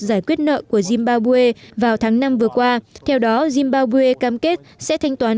giải quyết nợ của zimbabwe vào tháng năm vừa qua theo đó zimbabwe cam kết sẽ thanh toán